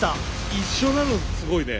一緒なのすごいね。